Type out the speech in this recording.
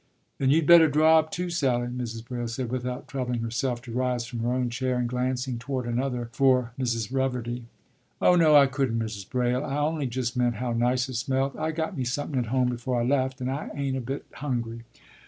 ” “Then you'd better draw up too, Sally,” Mrs. Braile said, without troubling herself to rise from her own chair in glancing toward another for Mrs. Reverdy. “Oh, no, I couldn't, Mrs. Braile. I on'y just meant how nice it smelt. I got me somepin at home before I left, and I ain't a bit hungry.